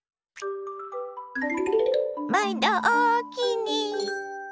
まいどおおきに！